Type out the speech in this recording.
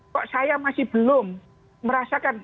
kok saya masih belum merasakan